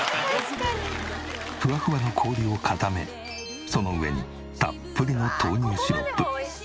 フワフワの氷を固めその上にたっぷりの豆乳シロップ。